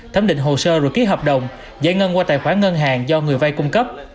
thấm định hồ sơ rồi ký hợp đồng giải ngân qua tài khoản ngân hàng do người vay cung cấp